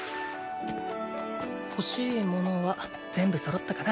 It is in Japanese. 欲しいものは全部そろったかな。